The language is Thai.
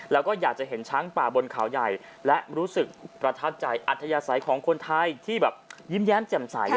แล้วก็อยากจะเห็นช้างป่าบนเขาใหญ่และรู้สึกประทับใจอัธยาศัยของคนไทยที่แบบยิ้มแย้มแจ่มใส